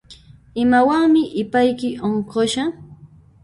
Imawanmi ipayki unqushan?